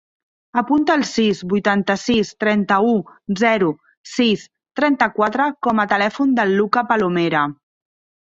Apunta el sis, vuitanta-sis, trenta-u, zero, sis, trenta-quatre com a telèfon del Lucca Palomera.